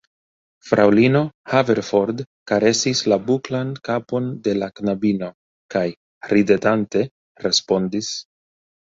Fraŭlino Haverford karesis la buklan kapon de la knabino, kaj ridetante respondis: